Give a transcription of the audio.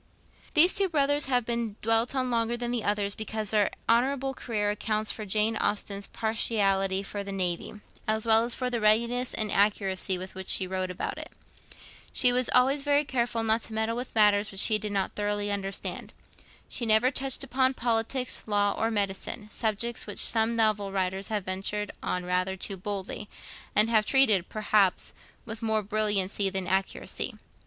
These two brothers have been dwelt on longer than the others because their honourable career accounts for Jane Austen's partiality for the Navy, as well as for the readiness and accuracy with which she wrote about it. She was always very careful not to meddle with matters which she did not thoroughly understand. She never touched upon politics, law, or medicine, subjects which some novel writers have ventured on rather too boldly, and have treated, perhaps, with more brilliancy than accuracy.